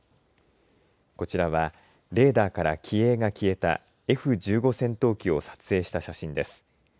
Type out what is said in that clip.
こちらはレーダーから機影が消えたＦ１５戦闘機を撮影した写真です。